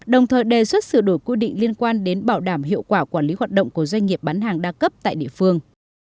đồng thời đề xuất sửa đổi quy định liên quan đến bảo đảm hiệu quả quản lý hoạt động của doanh nghiệp bán hàng đa cấp tại địa phương